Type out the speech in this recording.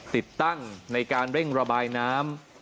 ติดตั้งในการเร่งระบายน้ำ